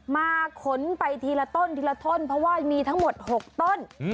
มาขนไปทีละต้นทีละต้นเพราะว่ามีทั้งหมด๖ต้น